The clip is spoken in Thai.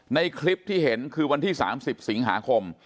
ในคลิปที่เห็นคือวันที่๓๐สิงหาคม